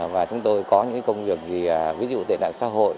và chúng tôi có những công việc gì ví dụ tệ nạn xã hội